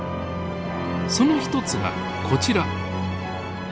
その一つがこちら。